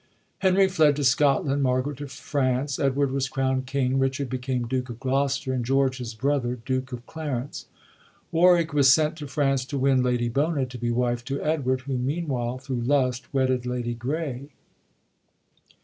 Henry fled to Scotland, Margaret to France; Edward was crownd king ; Richard became Duke of Gloster, and George, his brother, Duke of Clarence. Warwick was sent to France to win Lady Bona to be wife to Edward, who meanwhile, thru lust, wedded Lady Grey.